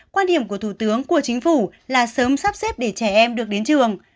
quan điểm của thủ tướng của chính phủ là sớm sắp xếp để trẻ em được đến trường